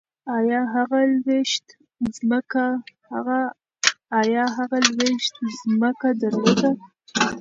ایا هغه لویشت ځمکه درلوده؟